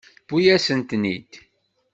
Tewwi-yasen-ten-id.